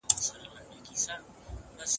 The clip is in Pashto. داسې خبره پخوا هیچا نه وه ورته کړې.